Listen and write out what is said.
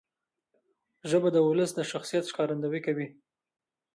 ژبه د ولس د شخصیت ښکارندویي کوي.